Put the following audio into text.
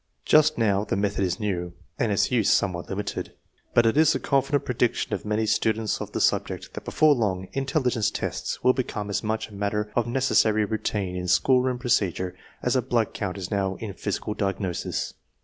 Just now the method is new, and its use some what limited, but it is the confident prediction of many students of the subject that, before long, intelligence tests will become as much a matter of necessary routine in school room procedure as a blood count now is in physical diagno sis.